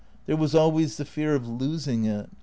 There was always the fear of losing it.